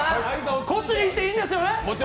こっちに来ていいんですよね。